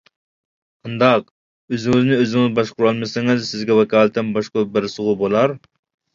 قانداق؟ ئۆزىڭىزنى ئۆزىڭىز باشقۇرالمىسىڭىز سىزگە ۋاكالىتەن باشقۇرۇپ بەرسىغۇ بولار.